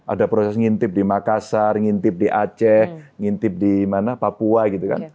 ada proses ngintip di makassar ngintip di aceh ngintip di papua gitu kan